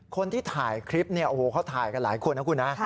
คนที่ถ่ายคลิปเนี่ยโอ้โหเขาถ่ายกันหลายคนนะคุณนะ